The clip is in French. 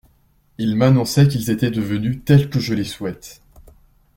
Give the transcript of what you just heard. Ils m'annonçaient qu'ils étaient devenus tels que je les souhaite.